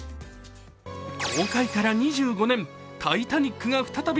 公開から２５年「タイタニック」が再び。